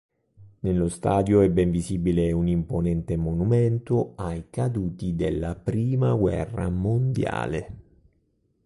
Nello stadio è ben visibile un imponente monumento ai caduti della Prima guerra mondiale.